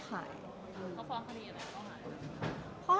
เขาฟ้องเค้าดีอะไรข้อหา